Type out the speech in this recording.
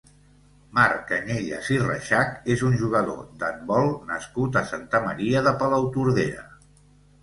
Marc Cañellas i Reixach és un jugador d'handbol nascut a Santa Maria de Palautordera.